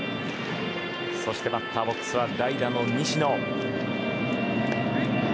そしてバッターボックスは代打の西野。